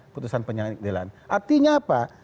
putusan pengadilan artinya apa